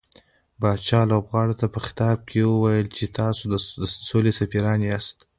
پاچا لوبغاړو ته په خطاب کې وويل چې تاسو د سولې سفيران ياست .